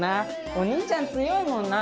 お兄ちゃん強いもんな。